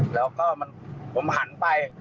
เอ่อแล้วก็ผมหันไป